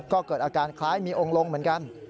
ก็เกิดอาการคล้ายมีองค์ลงเหมือนกัน